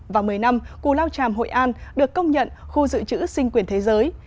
và một mươi năm cù lao tràm hội an được công nhận khu dự trữ sinh quyền thế giới